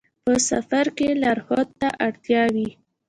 په سفر کې لارښود ته اړتیا وي.